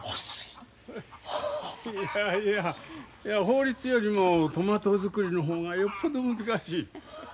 いやいや法律よりもトマト作りの方がよっぽど難しい。